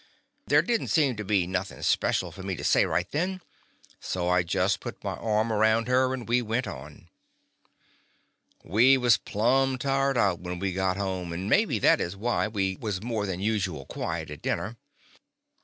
There did n't seem to be nothing special for me to say right then, so I just put my arm around her, and we went on. We was plumb tired out when we got home, and mebby that is why we J The Confessions of a Daddy was more than usual quiet at dinner.